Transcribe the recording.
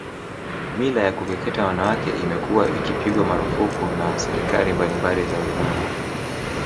Mila ya kukeketa wanawake imekuwa ikipigwa marufuku na serikali mbalimbali za ulimwenguni